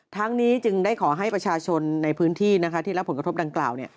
ทั้งนี้จึงได้ขอให้ประชาชนในพื้นที่ที่รับผลกระทบดังกล่าว